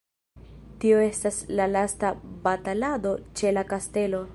Tio estas la lasta batalado ĉe la kastelo.